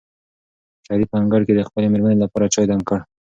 شریف په انګړ کې د خپلې مېرمنې لپاره چای دم کړ.